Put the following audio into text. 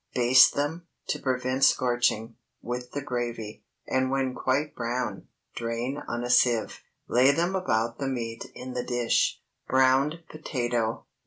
Baste them, to prevent scorching, with the gravy, and when quite brown, drain on a sieve. Lay them about the meat in the dish. BROWNED POTATO.